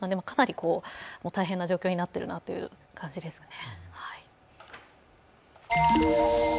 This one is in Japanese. かなり大変な状況になっているなという感じです。